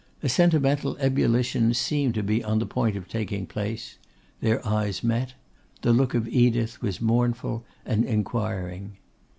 A sentimental ebullition seemed to be on the point of taking place. Their eyes met. The look of Edith was mournful and inquiring.